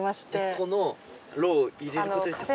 このロウを入れることで？